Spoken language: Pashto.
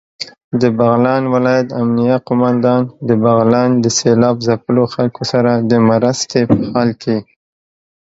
دبغلان ولايت امنيه قوماندان دبغلان د سېلاب ځپلو خلکو سره دمرستې په حال کې